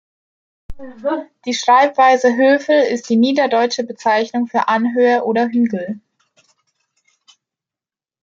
Die Schreibweise Höfel ist die niederdeutsche Bezeichnung für Anhöhe oder Hügel.